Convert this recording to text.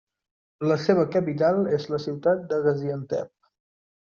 La seva capital és la ciutat de Gaziantep.